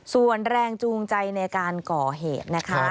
ส่วนแรงจูงใจในการก่อเหตุนะคะ